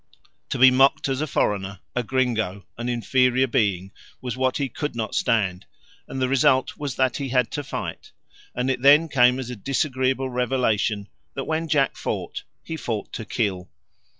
To be mocked as a foreigner, a gringo, an inferior being, was what he could not stand, and the result was that he had to fight, and it then came as a disagreeable revelation that when Jack fought he fought to kill.